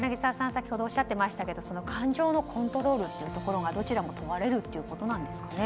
先ほどおっしゃっていましたけど感情のコントロールというのがどちらも問われるというところなんですかね。